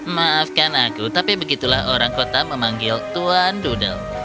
maafkan aku tapi begitulah orang kota memanggil tuan dudel